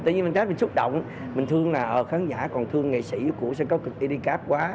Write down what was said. thấy mình xúc động mình thương là khán giả còn thương nghệ sĩ của sân khấu kịch cà tây cáp quá